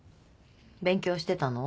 勉強してたの？